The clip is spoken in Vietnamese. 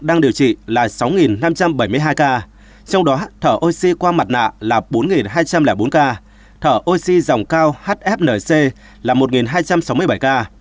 đang điều trị là sáu năm trăm bảy mươi hai ca trong đó thở oxy qua mặt nạ là bốn hai trăm linh bốn ca thở oxy dòng cao hfnc là một hai trăm sáu mươi bảy ca